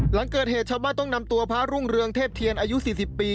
หลังเกิดเหตุชาวบ้านต้องนำตัวพระรุ่งเรืองเทพเทียนอายุ๔๐ปี